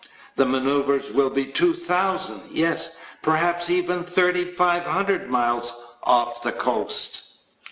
The maneuvers will be two thousand, yes, perhaps even thirty five hundred miles, off the coast.